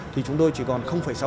thì chúng tôi chỉ còn sáu